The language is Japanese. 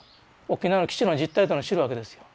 沖縄の基地の実態というのを知るわけですよ。